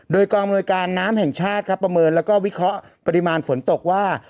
โดยกองอำนวยการน้ำแห่งชาติครับประเมินแล้วก็วิเคราะห์ปริมาณฝนตกว่า